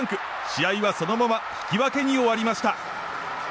試合はそのまま引き分けに終わりました。